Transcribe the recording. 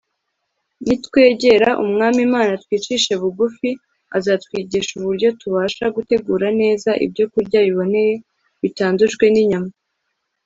nitwegera umwami imana twicishije bugufi, azatwigisha uburyo tubasha gutegura neza ibyokurya biboneye, bitandujwe n'inyama